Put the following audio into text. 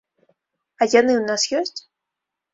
А яны ў нас ёсць?